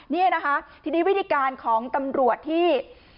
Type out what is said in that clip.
นี่นะคะทีนี้วิธีการของตำรวจที่